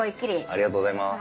ありがとうございます。